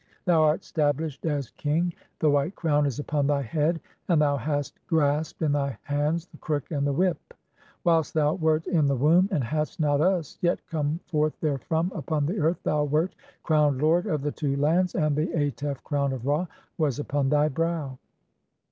Thou art stablished as king, "the white crown is upon thy head, and thou hast grasped in "thy hands the crook and the whip ; whilst thou wert in the "womb, and hadst not us yet come forth therefrom upon the "earth, thou wert (32) crowned lord of the two lands, and the "Atef crown of Ra was upon thy brow.